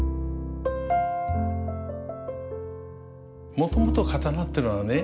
もともと刀ってのはね